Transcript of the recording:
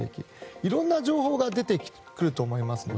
いろんな情報が出てくると思いますので。